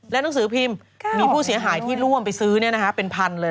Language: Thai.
และหนังสือพิมพ์มีผู้เสียหายที่ร่วมไปซื้อเนี่ยนะฮะเป็น๑๐๐๐เลย